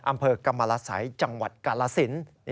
อำเภอกรรมรสัยจังหวัดกรรศิลป์